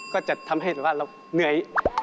ก็จะทำให้เราเหนื่อย